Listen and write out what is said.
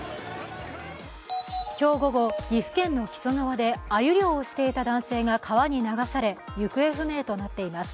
今日午後、岐阜県の木曽川であゆ漁をしていた男性が川に流され、行方不明となっています。